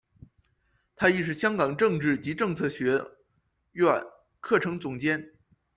他亦是香港政治及政策学苑课程总监。